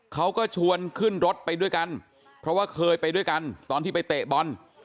เขาก็ชวนขึ้นรถไปด้วยกันเพราะว่าเคยไปด้วยกันตอนที่ไปเตะบอล